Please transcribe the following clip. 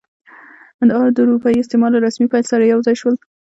دا د اروپایي استعمار له رسمي پیل سره یو ځای شول.